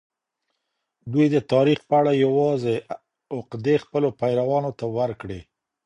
دوی د تاریخ په اړه یوازي عقدې خپلو پیروانو ته ورکړې.